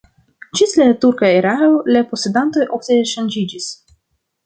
Ĝis la turka erao la posedantoj ofte ŝanĝiĝis.